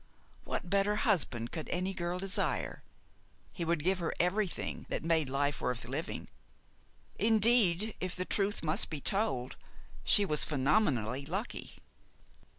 What better husband could any girl desire? He would give her everything that made life worth living. Indeed, if the truth must be told, she was phenomenally lucky.